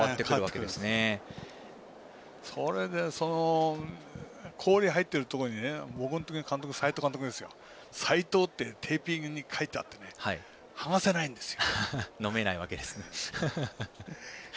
それで氷が入っているところに斉藤ってテーピングに書いてあって剥がせないんですよ。